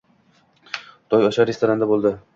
To‘y o’sha restoranda bo‘ldi.